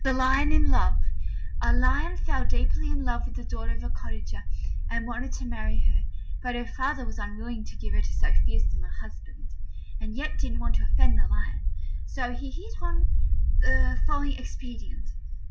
THE LION IN LOVE A Lion fell deeply in love with the daughter of a cottager and wanted to marry her; but her father was unwilling to give her to so fearsome a husband, and yet didn't want to offend the Lion; so he hit upon the following expedient.